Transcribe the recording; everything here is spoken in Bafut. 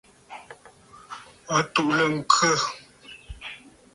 A tuʼulə ŋkhə.